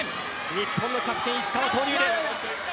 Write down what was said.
日本のキャプテン石川投入です。